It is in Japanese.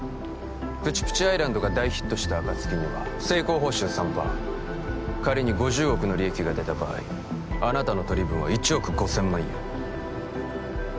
「プチプチアイランド」が大ヒットした暁には成功報酬３％仮に５０億の利益が出た場合あなたの取り分は１億５千万円